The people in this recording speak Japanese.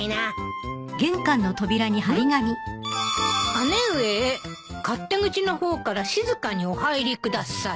「姉上へ勝手口の方から静かにおはいりください」